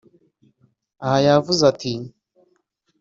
Aha yavuze ati